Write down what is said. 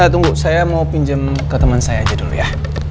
tunggu saya mau pinjam ke teman saya aja dulu ya